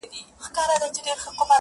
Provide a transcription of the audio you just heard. • چي کیسې مي د ګودر د پېغلو راوړي -